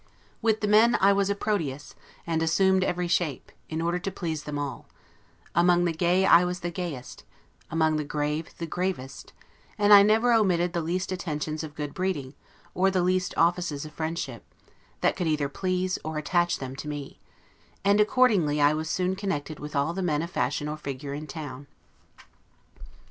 With the men I was a Proteus, and assumed every shape, in order to please them all: among the gay, I was the gayest; among the grave, the gravest; and I never omitted the least attentions of good breeding, or the least offices of friendship, that could either please, or attach them to me: and accordingly I was soon connected with all the men of any fashion or figure in town.